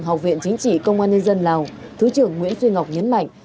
học viện chính trị công an nhân dân lào thứ trưởng nguyễn duy ngọc nhấn mạnh